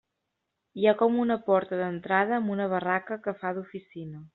Hi ha com una porta d'entrada amb una barraca que fa d'oficina.